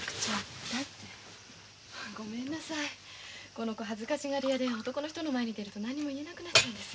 この子恥ずかしがり屋で男の人の前に出ると何も言えなくなっちゃうんです。